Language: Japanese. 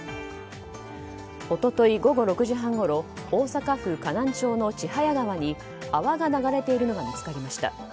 一昨日午後６時半ごろ大阪府河南町の千早川に泡が流れているのが見つかりました。